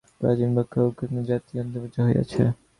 প্রাচীন ব্রাহ্মণ ও ক্ষত্রিয় জাতি অন্তর্হিত হইয়াছে।